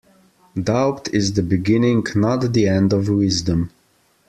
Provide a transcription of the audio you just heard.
Doubt is the beginning, not the end of wisdom